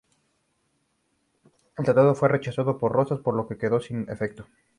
El tratado fue rechazado por Rosas, por lo que quedó sin efecto.